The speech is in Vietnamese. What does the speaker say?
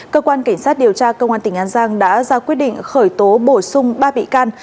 cơ quan cảnh sát điều tra công an tỉnh an giang đã ra quyết định khởi tố bổ sung ba bị can